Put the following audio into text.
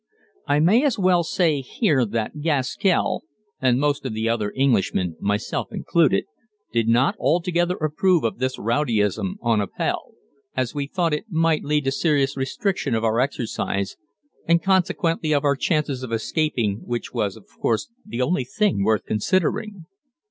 I may as well say here that Gaskell and most of the other Englishmen (myself included) did not altogether approve of this rowdyism on Appell, as we thought it might lead to serious restriction of our exercise and consequently of our chances of escaping, which was of course the only thing worth considering.